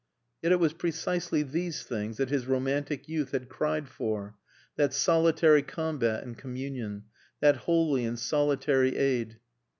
Yet it was precisely these things that his romantic youth had cried for that solitary combat and communion, that holy and solitary aid.